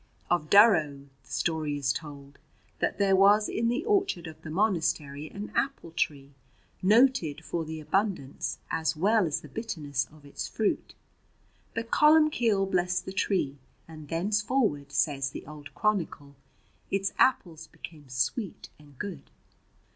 Of Durrow the story is told that there was in the orchard of the monastery an apple tree noted for the abundance as well as the bitterness of its fruit. But Columbcille blessed the tree, and thenceforward, says the old chronicle, its apples became sweet and good.